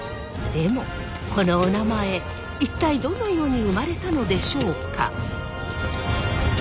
でもこのおなまえ一体どのように生まれたのでしょうか？